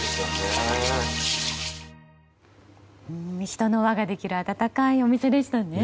人の輪ができる温かいお店でしたね。